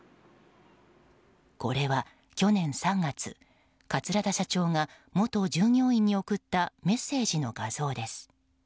これは去年３月、桂田社長が元従業員に送ったメッセージの画像です。